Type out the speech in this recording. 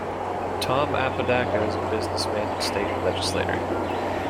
Tom Apodaca is a businessman and state legislator.